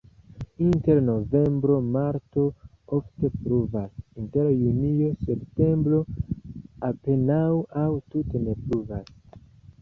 Inter novembro-marto ofte pluvas, inter junio-septembro apenaŭ aŭ tute ne pluvas.